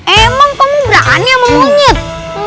emang kamu berani sama monyet